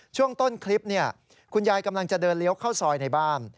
ช่วงต้นคลิปคุณยายกำลังจะเดินเลี้ยวเข้าซอยในบ้าน